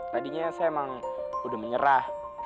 tadinya saya emang udah menyerah